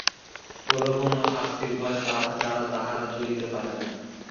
প্রলোভন ও শাস্তির ভয় দ্বারা তাহারা চলিতে পারে না।